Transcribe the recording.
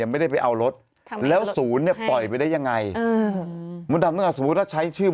ไม่ได้ไปเอารถนะสาวุดต้องไปเอารถเพราะมนต์ต้องไปเซ็นชื่อ